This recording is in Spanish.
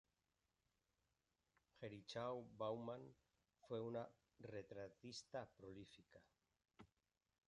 Jerichau-Baumann fue una retratista prolífica.